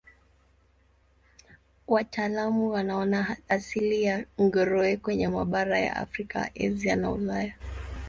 Wataalamu wanaona asili ya nguruwe kwenye mabara ya Afrika, Asia na Ulaya.